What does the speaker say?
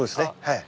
はい。